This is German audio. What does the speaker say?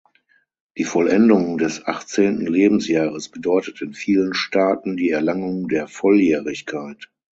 Die Vollendung des achtzehnten Lebensjahres bedeutet in vielen Staaten die Erlangung der Volljährigkeit.